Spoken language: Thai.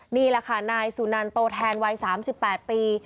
นี่แหละค่ะนายสุนันโตแทนวัย๓๘ปี